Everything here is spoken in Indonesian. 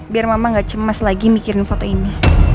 biar mama gak cemas lagi mikirin foto ini